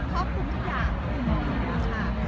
ทอบกวุธอยาก